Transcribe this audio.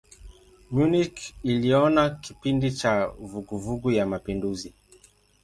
Munich iliona kipindi cha vuguvugu ya mapinduzi.